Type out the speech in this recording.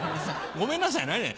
「ごめんなさい」やないねん。